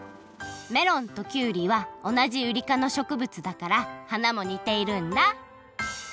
メロンときゅうりはおなじウリかのしょくぶつだから花もにているんだ！